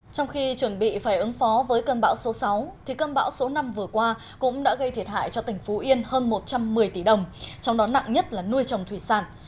trong khi chuẩn bị phải ứng phó với cơn bão số sáu cơn bão số năm vừa qua cũng đã gây thiệt hại cho tỉnh phú yên hơn một trăm một mươi tỷ đồng trong đó nặng nhất là nuôi trồng thủy sản